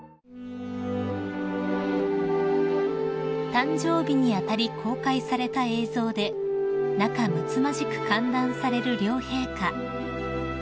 ［誕生日に当たり公開された映像で仲むつまじく歓談される両陛下］